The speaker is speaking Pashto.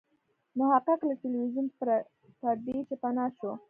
محقق له ټلویزیون پردې چې پناه شو.